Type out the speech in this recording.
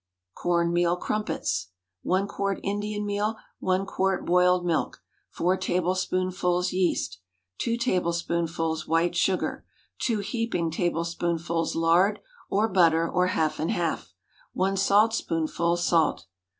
CORN MEAL CRUMPETS. 1 quart Indian meal. 1 quart boiled milk. 4 tablespoonfuls yeast. 2 tablespoonfuls white sugar. 2 heaping tablespoonfuls lard, or butter, or half and half. 1 saltspoonful salt.